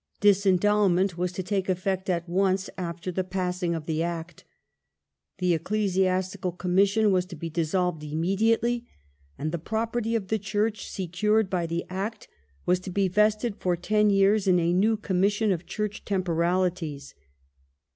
Disendowment was to take effect at once after the passing of the Act. The Ecclesiastical Commission was to be dissolved immediately, and the property of the Church, secured by the Act, was to be vested for ten years in a new *' Com mission of Church Temporalities